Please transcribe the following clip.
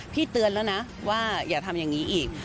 เตือนแล้วนะว่าอย่าทำอย่างนี้อีก